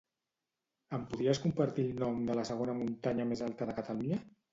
Em podries compartir el nom de la segona muntanya més alta de Catalunya?